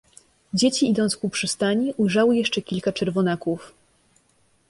Dzieci idąc ku przystani ujrzały jeszcze kilka czerwonaków.